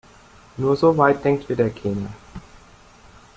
Nur so weit denkt wieder keiner.